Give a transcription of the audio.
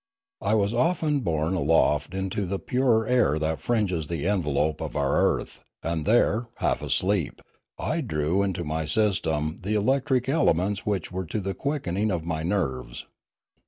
I was often borne aloft into the purer air that fringes the envelope of our earth, and there, half asleep, I drew into my sys tem the electric elements which went to the quickening of my nerves.